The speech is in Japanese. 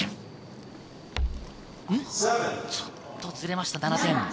ちょっとずれました、７点。